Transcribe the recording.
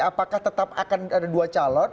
apakah tetap akan ada dua calon